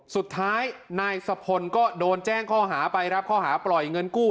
สุดท้ายนายสะพลก็โดนแจ้งข้อหาไปครับข้อหาปล่อยเงินกู้